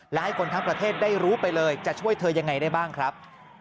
และให้คนทั้งประเทศได้รู้ไปเลยจะช่วยเธอยังไงได้บ้างครับ